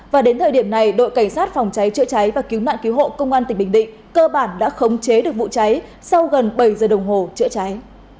và đến thời điểm này đội cảnh sát phòng cháy chữa cháy và cứu nạn cứu hộ công an tỉnh bình định cơ bản đã khống chế được vụ cháy sau gần bảy giờ đồng hồ chữa cháy